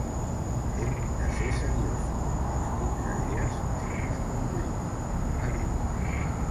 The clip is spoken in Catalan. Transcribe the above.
“Hem de ser seriosos, els quinze dies s’han de complir”, ha dit.